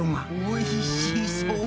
おいしそう！